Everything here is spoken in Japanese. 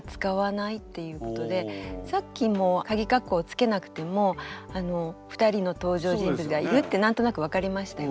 さっきもかぎ括弧を付けなくても２人の登場人物がいるって何となく分かりましたよね。